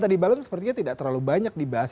tadi malam sepertinya tidak terlalu banyak dibahas